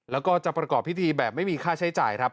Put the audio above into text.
แล้วก็จะประกอบพิธีแบบไม่มีค่าใช้จ่ายครับ